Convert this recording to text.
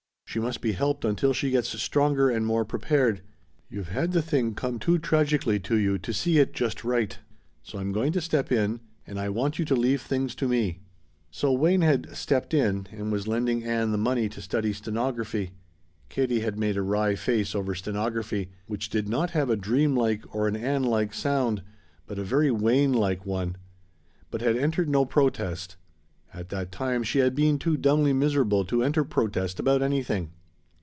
She must be helped until she gets stronger and more prepared. You've had the thing come too tragically to you to see it just right, so I'm going to step in and I want you to leave things to me." So Wayne had "stepped in" and was lending Ann the money to study stenography. Katie had made a wry face over stenography, which did not have a dream like or an Ann like sound but a very Wayne like one! but had entered no protest; at that time she had been too dumbly miserable to enter protest about anything.